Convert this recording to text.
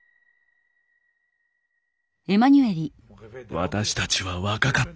私たちは若かった。